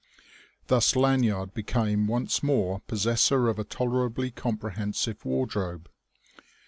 Thus Lanyard became once more possessor of a tolerably comprehensive wardrobe.